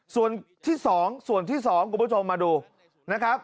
ส่วนที่๒ส่วนที่๒คุณผู้ชมมาดูนะครับ